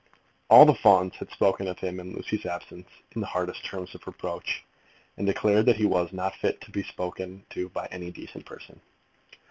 All the Fawns had spoken of him, in Lucy's absence, in the hardest terms of reproach, and declared that he was not fit to be spoken to by any decent person.